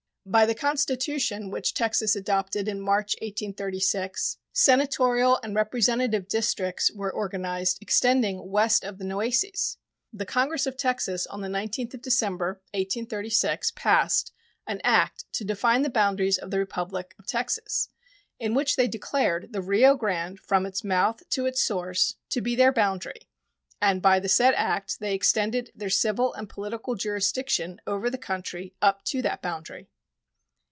By the constitution which Texas adopted in March, 1836, senatorial and representative districts were organized extending west of the Nueces. The Congress of Texas on the 19th of December, 1836, passed "An act to define the boundaries of the Republic of Texas," in which they declared the Rio Grande from its mouth to its source to be their boundary, and by the said act they extended their "civil and political jurisdiction" over the country up to that boundary.